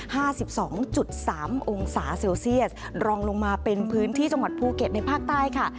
สิบสองจุดสามองศาเซลเซียสรองลงมาเป็นพื้นที่จังหวัดภูเก็ตในภาคใต้ค่ะ